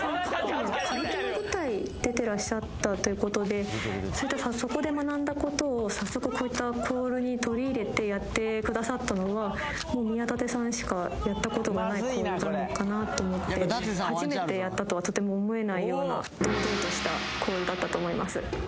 最初そういったそこで学んだことを早速こういったコールに取り入れてやってくださったのはもう宮舘さんしかやったことがないコールなのかなと思って初めてやったとはとても思えないような堂々としたコールだったと思います